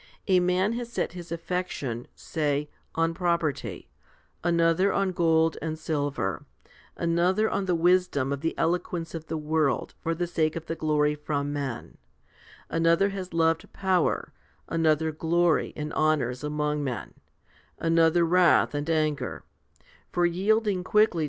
A man has set his affection, say, on property, another on gold and silver, another on the wisdom of the eloquence of the world for the sake of glory from men ; another has loved power, another glory and honours among men, another wrath and anger for yielding quickly to it 1 So the LXX.